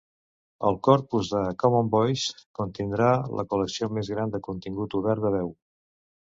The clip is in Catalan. El corpus de Common Voice contindrà la col·lecció més gran de contingut obert de veu.